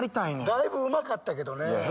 だいぶうまかったけどね。